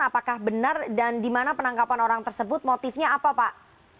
apakah benar dan di mana penangkapan orang tersebut motifnya apa pak